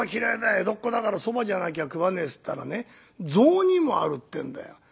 江戸っ子だからそばじゃなきゃ食わねえ』っつったらね『雑煮もある』って言うんだよ。